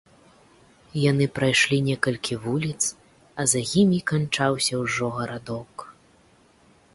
Яны прайшлі некалькі вуліц, а за імі канчаўся ўжо гарадок.